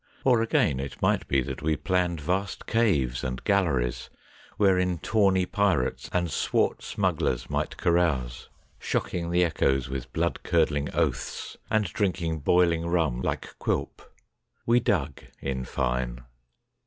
Or, again, it might be that we planned vast caves and galleries wherein tawny pirates and swart smugglers might carouse, shocking the echoes with blood curdling oaths, and drink ing boiling rum like Quilp. We dug, in fine.